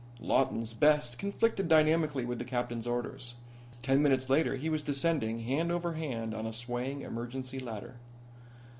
Lawton's "best" conflicted dynamically with the captain's orders. Ten minutes later he was descending, hand over hand, on a swaying emergency ladder.